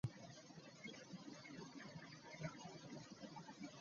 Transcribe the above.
Kiki kye tulinza okwogerako mu musomo guno.